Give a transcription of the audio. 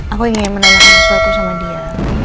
aku ingin menambahkan sesuatu sama dia